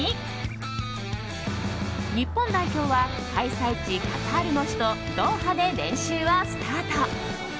日本代表は開催地カタールの首都ドーハで練習をスタート。